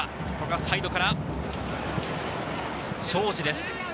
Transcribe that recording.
サイドから、庄司です。